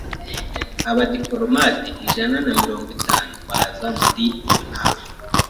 Abadipolomate ijana na mirongo itanu baza muri iyo nama.